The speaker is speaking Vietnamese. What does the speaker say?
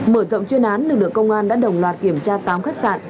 mở rộng chuyên án lực lượng công an đã đồng loạt kiểm tra tám khách sạn